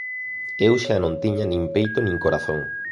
Eu xa non tiña nin peito nin corazón.